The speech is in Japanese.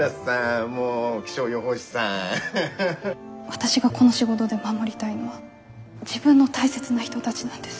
私がこの仕事で守りたいのは自分の大切な人たちなんです。